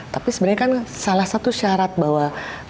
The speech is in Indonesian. tapi sebenarnya kan salah satu syarat bahwa